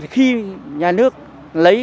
khi nhà nước lấy